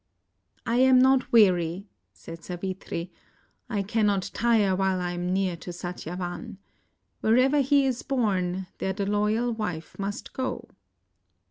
"I am not weary," said Savitri, "I cannot tire while I am near to Satyavan. Wherever he is borne, there the loyal wife must go."